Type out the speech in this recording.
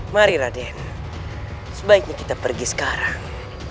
mari raden sebaiknya kita pergi sekarang